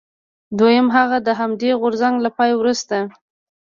دویم هغه د همدې غورځنګ له پای وروسته.